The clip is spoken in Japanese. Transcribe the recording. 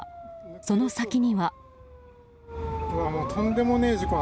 その先には。